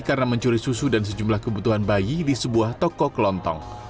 karena mencuri susu dan sejumlah kebutuhan bayi di sebuah toko kelontong